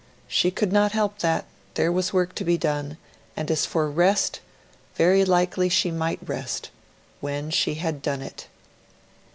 She could not help that; there was the work to be done; and, as for rest, very likely she might rest ... when she had done it.